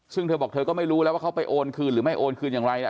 ซึ่งเธอบอกเธอก็ไม่รู้แล้วว่าเขาไปโอนคืนหรือไม่โอนคืนอย่างไรนะ